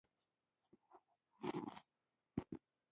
نوموړي د کارلوس سلایم پر پلونو قدم کېښود.